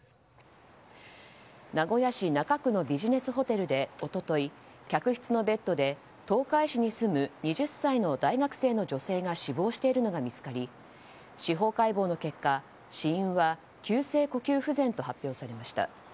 名古屋市中区のビジネスホテルで一昨日客室のベッドで東海市に住む２０歳の大学生の女性が死亡しているのが見つかり司法解剖の結果、死因は急性呼吸不全と発表されました。